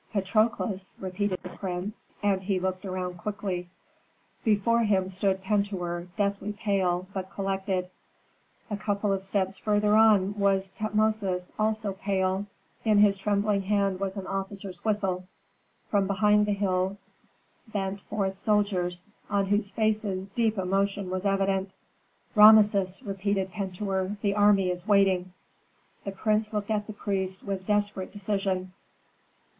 "Patrokles?" repeated the prince, and he looked around quickly. Before him stood Pentuer, deathly pale, but collected. A couple of steps farther on was Tutmosis, also pale; in his trembling hand was an officer's whistle. From behind the hill bent forth soldiers, on whose faces deep emotion was evident. "Rameses," repeated Pentuer, "the army is waiting." The prince looked at the priest with desperate decision.